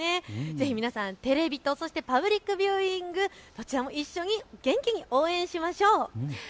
ぜひ皆さん、テレビとそしてパブリックビューイング、どちらも一緒に元気に応援しましょう。